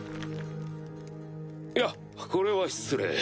いやこれは失礼。